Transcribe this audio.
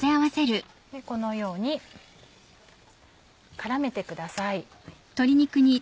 このように絡めてください。